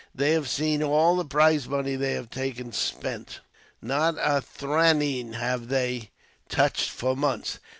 They have seen all the prize money they have taken spent. Not a thraneen have they touched for months.